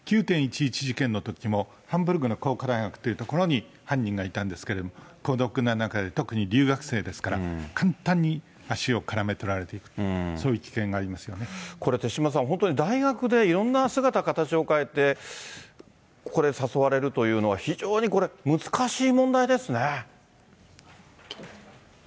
９・１１事件のときも、ハンブルクの工科大学ってところに犯人がいたんですけど、孤独な中で、特に留学生ですから、簡単に足をからめとられていく、これ、手嶋さん、本当に大学でいろんな姿形を変えて、誘われるというのは、非常にこれ、難しい問題ですね。